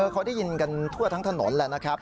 เขาได้ยินกันทั่วทั้งถนนแหละนะครับ